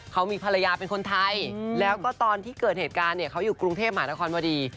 เขามีภรรยาเป็นคนไทยแล้วก็ตอนที่เกิดเหตุการณ์เนี่ยเขาอยู่กรุงเทพหมานครวดี